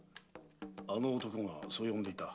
あの男がそう呼んでいた。